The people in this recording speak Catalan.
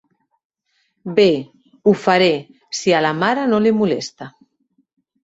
Bé, ho faré, si a la mare no li molesta.